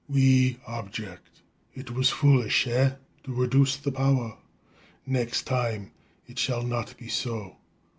"We object! It was foolish, eh, to reduce the power? Next time, it shall not be so.